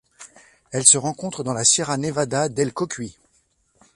Elle se rencontre dans la Sierra Nevada del Cocuy.